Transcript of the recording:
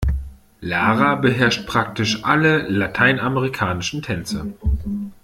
Lara beherrscht praktisch alle lateinamerikanischen Tänze.